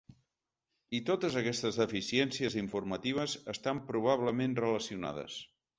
I totes aquestes deficiències informatives estan probablement relacionades.